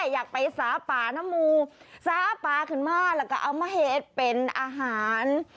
อยากไปสาปาน้ำมูสาปาขึ้นมาแล้วก็เอาเมธเป็นอาหาร